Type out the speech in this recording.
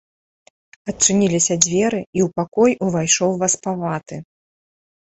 Адчыніліся дзверы, і ў пакой увайшоў васпаваты.